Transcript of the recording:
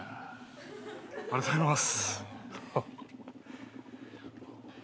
ありがとうございます。